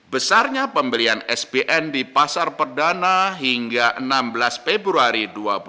besarnya pembelian sbn di pasar perdana hingga enam belas februari dua ribu dua puluh